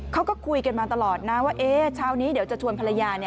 เขาก็คุยกันมาตลอดนะว่าเช้านี้เดี๋ยวจะชวนภรรยา